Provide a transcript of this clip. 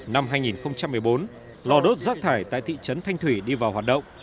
năm hai nghìn một mươi bốn lò đốt rác thải tại thị trấn thanh thủy đi vào hoạt động